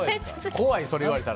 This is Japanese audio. それ言われたら。